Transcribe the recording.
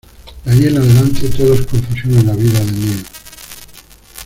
De ahí en adelante todo es confusión en la vida de Neo.